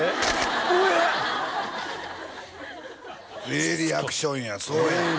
ええリアクションやそうやうわ！